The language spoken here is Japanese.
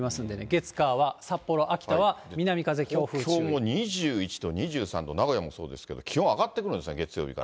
月、火は札幌、秋田は南風、強風東京も２１度、２３度、名古屋もそうですけど、気温上がっていくんですか、月曜日から。